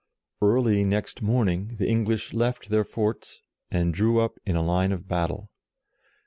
Early next morning the English left their forts, and drew up in line of battle.